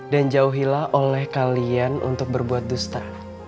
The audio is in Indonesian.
dan jauhilah oleh kalian untuk berbuat dusta